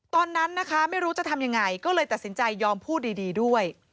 ตอนนั้นนะคะไม่รู้จะทำยังไงก็เลยตัดสินใจยอมพูดดีด้วย